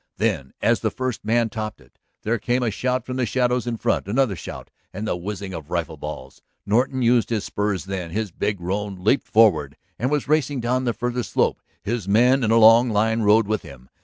Then, as the first man topped it, there came a shout from the shadows in front, another shout, and the whizzing of rifle balls. Norton used his spurs then; his big roan leaped forward and was racing down the farther slope; his men in a long line rode with him.